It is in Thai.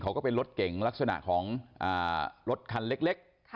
เขาก็เป็นรถเก่งลักษณะของอ่ารถคันเล็กเล็กค่ะ